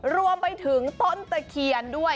รวมไปถึงต้นตะเคียนด้วย